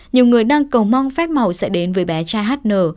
nhiều người đang cầu mong phép màu sẽ đến với bé tra hn